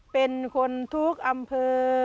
เป็นคนทุกอำเภอ